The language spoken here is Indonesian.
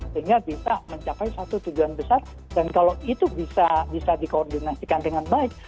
sehingga bisa mencapai satu tujuan besar dan kalau itu bisa dikoordinasikan dengan baik